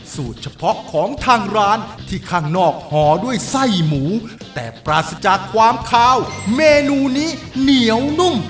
สูตรเฉพาะของทางร้านที่ข้างนอกห่อด้วยไส้หมูแต่ปราศจากความคาวเมนูนี้เหนียวนุ่ม